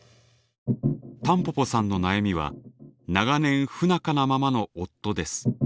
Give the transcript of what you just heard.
たんぽぽさんの悩みは長年不仲なままの夫です。